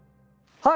はい。